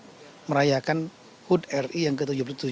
untuk merayakan hud ri yang ke tujuh puluh tujuh